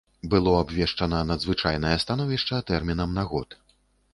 Было абвешчана надзвычайнае становішча тэрмінам на год.